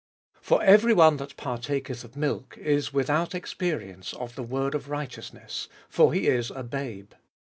For every one that partaketh of milk is without experience of the word of righteousness ; for he is a babe.